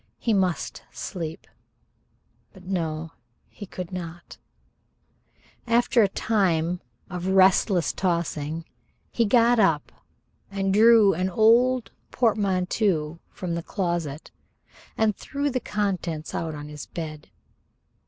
He must sleep: but no, he could not. After a time of restless tossing he got up and drew an old portmanteau from the closet and threw the contents out on the bed.